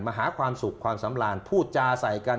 หาความสุขความสำราญพูดจาใส่กัน